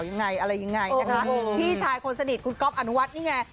ยังไงอะไรยังไงพี่ชายคนสนิทที่คุณก๊อบอนุวัตินี่แง